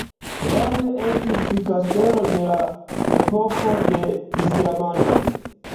Krome estis kastelo de la epoko de islamanoj.